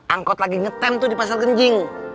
angkot lagi ngetem tuh di pasar genjing